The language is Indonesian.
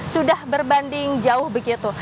sudah berbanding jauh begitu